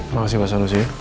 makasih mas anusi